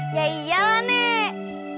ya iyalah nek